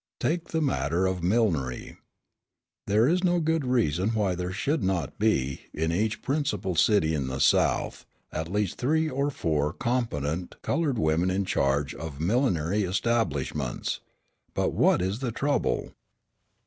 Take the matter of millinery. There is no good reason why there should not be, in each principal city in the South, at least three or four competent coloured women in charge of millinery establishments. But what is the trouble?